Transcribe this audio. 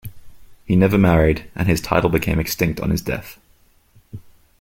He never married, and his title became extinct on his death.